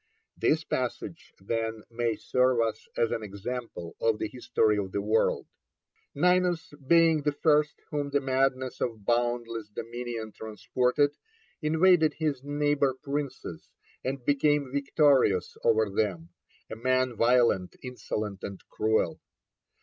This passage, then, may serve us as an example of the History of the World: Ninus being the first whom the madness of boundless dominion transported, invaded his neighbour princes, and became victorious over them; a man violent, insolent, and cruel.